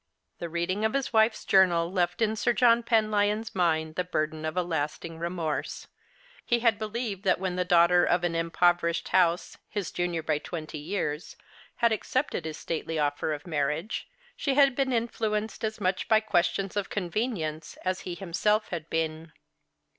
The reading of his wife's journal left in Sir John Penlyon's mind the burden of a lasting remorse. He had believed that when the daugliter of an impoverished house, his junior by twenty years, had accepted his stately offer of marriage, she had been influenced as 38 The Christmas Hirelings. iniich by questions of convenience as lie himself had been.